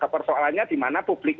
persoalannya di mana publik